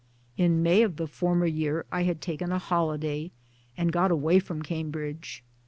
In May of the former year I had taken a holiday and! got away from Cambridge.